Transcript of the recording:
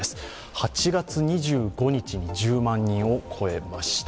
８月２５日に１０万人を超えました。